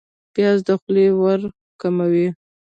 پیاز د خولې ورم کموي